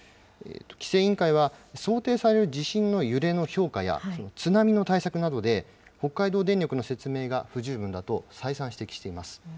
規制委員会は、想定される地震の揺れの評価や、津波の対策などで、北海道電力の説明が不十分だと再三指摘しています。